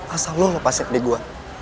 asal lo lepasin adik gue